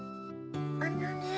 ・あのね。